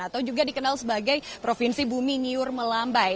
atau juga dikenal sebagai provinsi bumi niur melambai